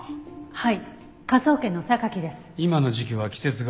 はい。